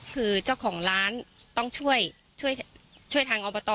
คือเจ้าของร้านต้องช่วยช่วยทางอบต